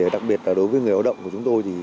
đặc biệt là đối với người lao động của chúng tôi